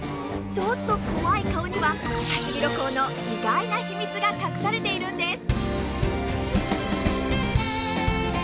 ちょっと怖い顔にはハシビロコウの意外な秘密が隠されているんです。